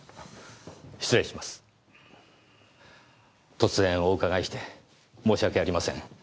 突然お伺いして申し訳ありません。